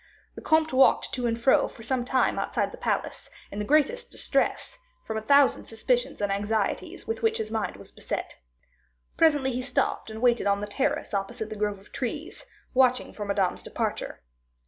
The comte walked to and fro for some time outside the palace, in the greatest distress, from a thousand suspicions and anxieties with which his mind was beset. Presently he stopped and waited on the terrace opposite the grove of trees, watching for Madame's departure.